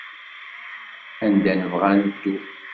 Anda nebɣa ad neddu.